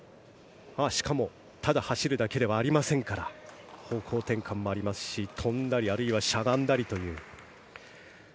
しかもただ走るだけではありませんから方向転換もありますし跳んだりあるいはしゃがんだりという。